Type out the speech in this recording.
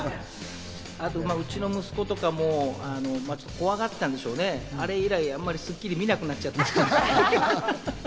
あとうちの息子とかも怖かったんでしょうね、あれ以来『スッキリ』は見なくなっちゃった。